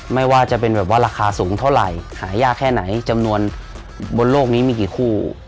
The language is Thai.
ไม่ว่าจะเป็นแบบว่าราคาสูงเท่าไหร่หายากแค่ไหนจำนวนบนโลกนี้มีกี่คู่